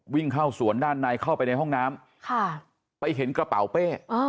วิ่งเข้าสวนด้านในเข้าไปในห้องน้ำไปเห็นกระเป๋าเป้